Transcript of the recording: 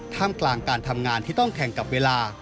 กลางการทำงานที่ต้องแข่งกับเวลา